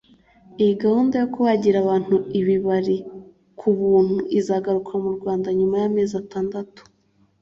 Iyi gahunda yo kubagira abantu ibibari ku buntu izagaruka mu Rwanda nyuma y’amezi atandatu